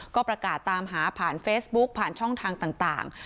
ก็ประกาศตามหาผ่านเฟซบุ๊กผ่านช่องทางต่าง